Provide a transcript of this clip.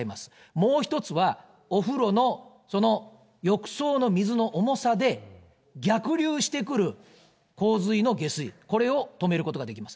もう１つはお風呂の浴槽の水の重さで、逆流してくる洪水の下水、これを止めることができます。